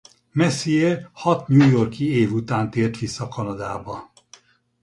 Messier hat New York-i év után tért vissza Kanadába.